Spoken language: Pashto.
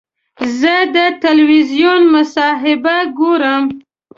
زه د تلویزیون مصاحبه ګورم.